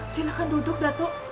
silahkan duduk dato